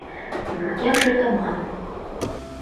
Вургемже томам.